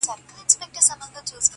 نن دي جهاني لکه پانوس لمبه، لمبه وینم٫